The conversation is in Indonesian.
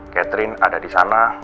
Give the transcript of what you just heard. catherine ada di sana